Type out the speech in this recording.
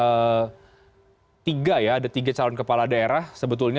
sebetulnya yang kemudian meninggal dunia ini adalah p tiga p tiga pks dan juga partai bulan bintang